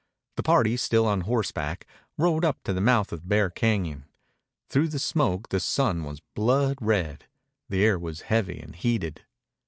The party, still on horseback, rode up to the mouth of Bear Cañon. Through the smoke the sun was blood red. The air was heavy and heated.